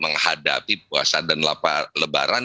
menghadapi puasa dan lebaran